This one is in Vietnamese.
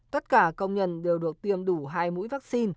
tất cả công nhân đều được tiêm đủ hai mũi vaccine